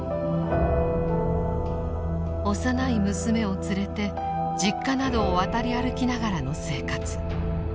幼い娘を連れて実家などを渡り歩きながらの生活。